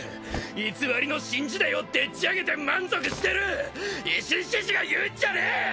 偽りの新時代をでっち上げて満足してる維新志士が言うんじゃねえ！